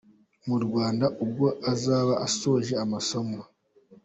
mu Rwanda ubwo azaba asoje amasomo.